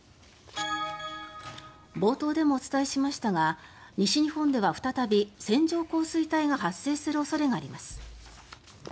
冒頭でもお伝えしましたが西日本では再び線状降水帯が発生する恐れがあります。